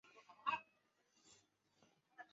果实为离果。